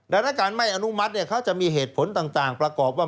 ดังนั้นการไม่อนุมัติเขาจะมีเหตุผลต่างประกอบว่า